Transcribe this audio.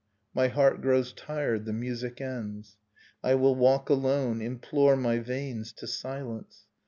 My heart grows tired, the music ends. I will walk alone, implore my veins to silence.